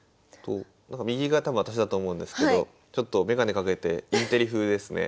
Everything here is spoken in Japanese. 右が多分私だと思うんですけどちょっと眼鏡かけてインテリ風ですね。